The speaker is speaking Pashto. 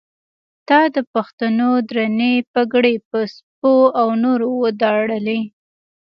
تا د پښتنو درنې پګړۍ په سپو او نورو وداړلې.